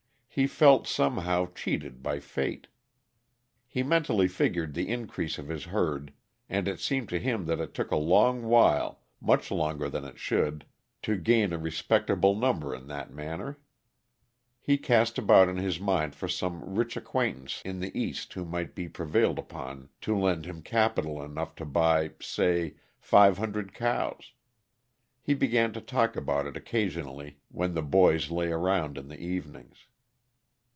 He felt, somehow, cheated by fate. He mentally figured the increase of his herd, and it seemed to him that it took a long while, much longer than it should, to gain a respectable number in that manner. He cast about in his mind for some rich acquaintance in the East who might be prevailed upon to lend him capital enough to buy, say, five hundred cows. He began to talk about it occasionally when the boys lay around in the evenings.